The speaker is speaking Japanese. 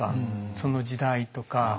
その時代とか。